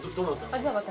じゃあ私。